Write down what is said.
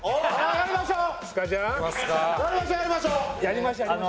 やりましょうよ。